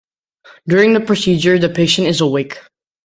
During the procedure the patient is awake.